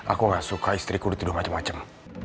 aku gak suka istriku dituduh macem macem